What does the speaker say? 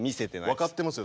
分かってますよ。